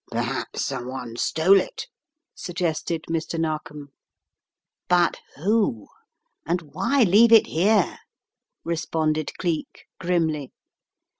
"Perhaps someone stole it," suggested Mr. Nar kom. "But who; and why leave it here?" responded Cleek, grimly.